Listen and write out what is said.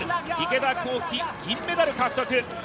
池田向希、銀メダル獲得。